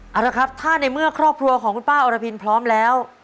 เอาละครับถ้าในเมื่อครอบครัวของคุณป้าอรพินพร้อมแล้ว